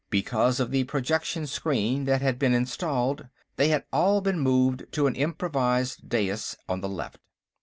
Because of the projection screen that had been installed, they had all been moved to an improvised dais on the left.